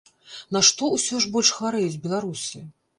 На што усё ж больш хварэюць беларусы?